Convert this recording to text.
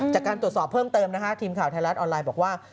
จากการตรวจสอบเพิ่มเติมนะฮะทีมข่าวไทยรัฐออนไลน์บอกว่า